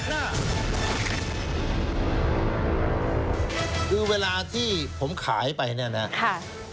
คือเวลาที่ผมขายไปนี่นะค่ะค่ะ